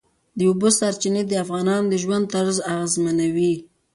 د اوبو سرچینې د افغانانو د ژوند طرز اغېزمنوي.